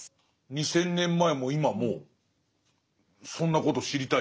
２，０００年前も今もそんなこと知りたいですね。